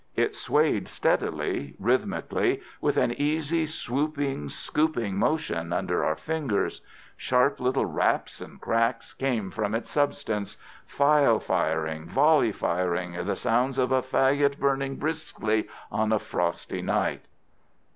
It swayed steadily, rhythmically, with an easy swooping, scooping motion under our fingers. Sharp little raps and cracks came from its substance, file firing, volley firing, the sounds of a fagot burning briskly on a frosty night.